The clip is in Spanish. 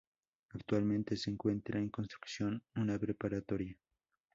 Actualmente se encuentra en construcción una preparatoria.